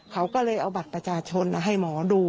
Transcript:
เขาก็เลยเอาบัตรประชาชนมาให้หมอดู